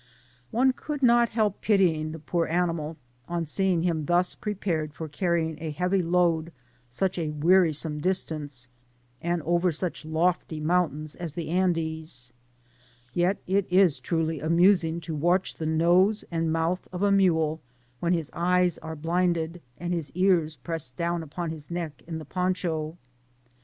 One could not help pitying the poor animal, on se^g him thus prepared for carrying a heavy' load such a wearisome distance, and over such lofty mountains as the Andes; yet it is truly amusing to watch the nose and mouth of a mule, wh^l life eyes are blinded, and his eaVs pressed down upon his neck by the poncho.